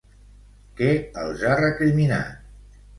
Què els ha recriminat?